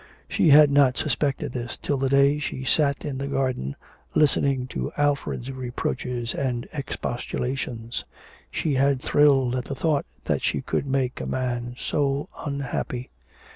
She had not suspected this till the day she sat in the garden listening to Alfred's reproaches and expostulations. She had thrilled at the thought that she could make a man so unhappy.